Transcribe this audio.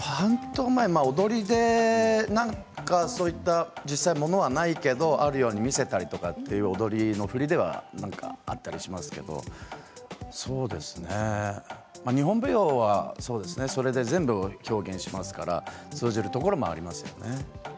踊りでそういったものはないけどあるように見せたりという踊りの振りであったりしますけど日本舞踊がそれで全部を表現しますから通じるところもありますよね。